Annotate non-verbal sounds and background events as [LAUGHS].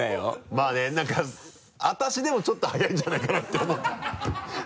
まぁね何か私でもちょっと早いんじゃないかなって思った [LAUGHS]